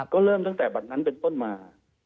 ก็เริ่มตั้งแต่บัตรนั้นเป็นต้นมา